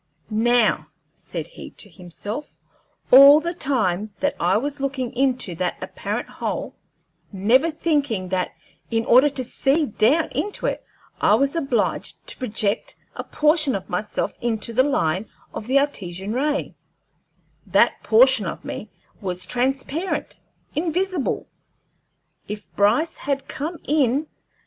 "Now," said he to himself, "all the time that I was looking into that apparent hole, never thinking that in order to see down into it I was obliged to project a portion of myself into the line of the Artesian ray, that portion of me was transparent, invisible. If Bryce had come in!